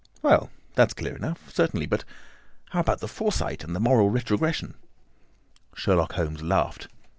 "Well, that is clear enough, certainly. But how about the foresight and the moral retrogression?" Sherlock Holmes laughed.